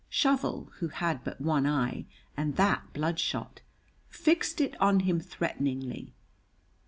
Shovel, who had but one eye, and that bloodshot, fixed it on him threateningly.